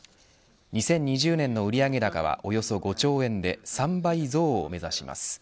２０２０年の売上高はおよそ５兆円で３倍増を目指します。